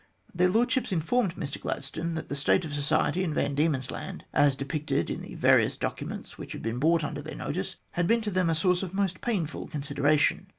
Their Lordships informed Mr Gladstone that the state of society in Van Diemen's Land, as depicted in the various documents which had been brought under their notice, had been to them a source of the most painful consideration.